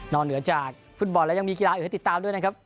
เหนือจากฟุตบอลแล้วยังมีกีฬาอื่นให้ติดตามด้วยนะครับ